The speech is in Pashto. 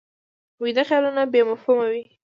ویده خیالونه بې مفهومه وي